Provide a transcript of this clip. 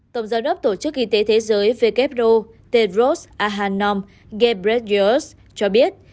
tổng giáo đốc tổ chức y tế thế giới wpro tedros adhanom ghebreyesus cho biết